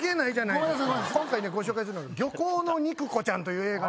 今回ご紹介するのが『漁港の肉子ちゃん』という映画。